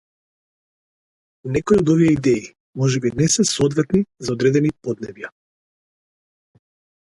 Некои од овие идеи можеби не се соодветни за одредени поднебја.